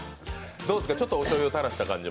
どうですか、おしょうゆを垂らした感じも？